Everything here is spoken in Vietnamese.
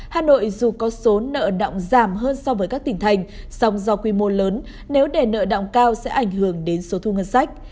hà nội dù có số nợ động giảm hơn so với các tỉnh thành song do quy mô lớn nếu để nợ động cao sẽ ảnh hưởng đến số thu ngân sách